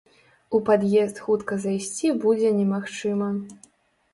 У пад'езд хутка зайсці будзе немагчыма!